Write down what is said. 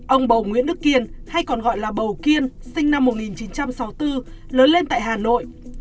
ông bầu nguyễn đức kiên hay còn gọi là bầu kiên sinh năm một nghìn chín trăm sáu mươi bốn lớn lên tại hà nội